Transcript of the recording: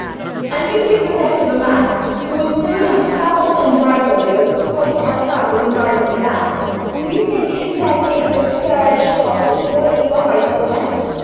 And you think the death of a man, who would soon have saddled and bridled you as the Sforza has saddled and bridled Milan—you think his death is the scourge God is warning you of by portents.